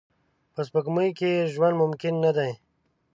په سپوږمۍ کې ژوند ممکن نه دی